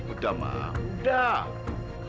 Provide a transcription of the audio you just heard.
udah ma udah